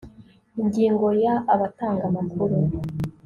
ingingo ya abatanga amakuru